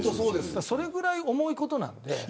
それぐらい重いことなんで。